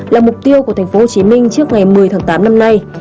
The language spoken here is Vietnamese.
là mục tiêu của tp hcm trước ngày một mươi tháng tám năm nay